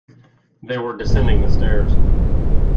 They were descending the stairs.